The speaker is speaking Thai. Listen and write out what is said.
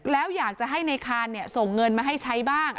แล้วอยากจะให้ในคานส่งเงินมาให้ใช้บ้าง